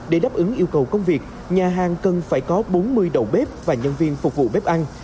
để đáp ứng yêu cầu công việc nhà hàng cần phải có bốn mươi đầu bếp và nhân viên phục vụ bếp ăn